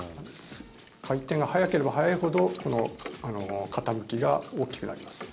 回転が速ければ速いほどこの傾きが大きくなります。